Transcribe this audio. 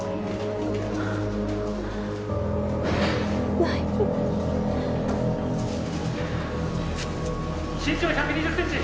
ない・身長１２０ｃｍ